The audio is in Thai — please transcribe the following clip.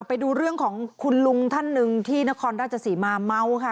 ไปดูเรื่องของคุณลุงท่านหนึ่งที่นครราชสีมาเมาค่ะ